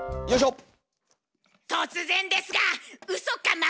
突然ですが「ウソか？